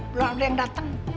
belum ada yang dateng